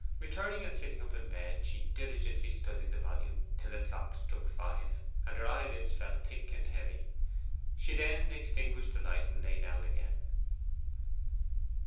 Returning and sitting up in bed, she diligently studied the volume till the clock struck five, and her eyelids felt thick and heavy. She then extinguished the light and lay down again.